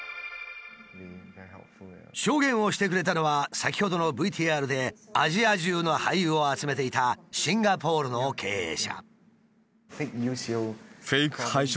証言をしてくれたのは先ほどのＶＴＲでアジア中の廃油を集めていたシンガポールの経営者。